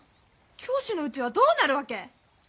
教師のうちはどうなるわけ？